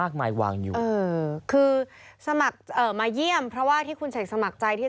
คือมาเยี่ยมเพราะว่าที่คุณเสกสมัครใจ